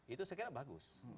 itu saya kira bagus